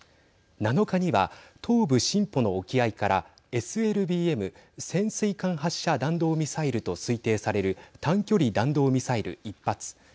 ７日には、東部シンポの沖合からＳＬＢＭ＝潜水艦発射弾道ミサイルと推定される短距離弾道ミサイル１発。